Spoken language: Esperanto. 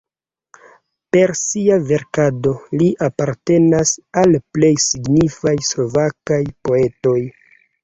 Per sia verkado li apartenas al plej signifaj slovakaj poetoj.